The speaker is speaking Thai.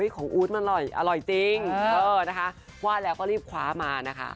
อู๊ดมันอร่อยจริงนะคะว่าแล้วก็รีบคว้ามานะคะ